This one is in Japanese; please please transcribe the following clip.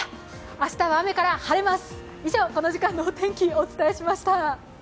明日は雨から晴れます！